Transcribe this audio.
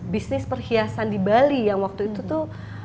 bisnis perhiasan di bali yang waktu itu tuh